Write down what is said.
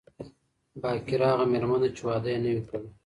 باکره هغه ميرمن ده، چي واده ئې نه وي کړی